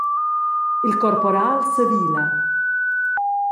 Il corporal sevila.